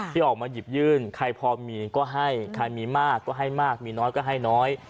ที่ออกมาหยิบยื่นใครพอมีก็ให้ใครมีมากก็ให้มากมีน้อยก็ให้น้อย